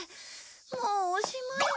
もうおしまいだ。